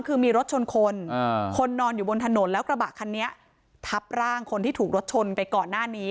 คือมีรถชนคนคนนอนอยู่บนถนนแล้วกระบะคันนี้ทับร่างคนที่ถูกรถชนไปก่อนหน้านี้